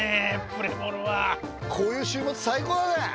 プレモルはこういう週末最高だね！